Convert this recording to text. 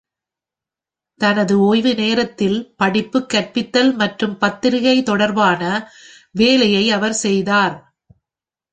தனது ஓய்வு நேரத்தில் படிப்பு, கற்பித்தல் மற்றும் பத்திரிகை தொடர்பான வேலையை அவர் செய்தார்.